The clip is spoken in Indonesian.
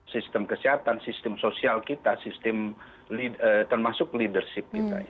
sistem kesehatan sistem sosial kita sistem termasuk leadership kita